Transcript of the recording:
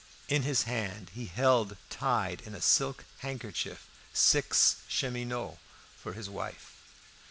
In his hand he held tied in a silk handkerchief six cheminots for his wife.